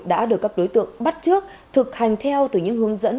đã được các đối tượng bắt trước thực hành theo từ những hướng dẫn